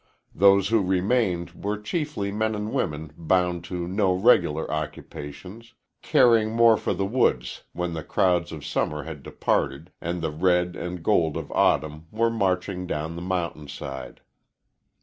Those who remained were chiefly men and women bound to no regular occupations, caring more for the woods when the crowds of summer had departed and the red and gold of autumn were marching down the mountain side.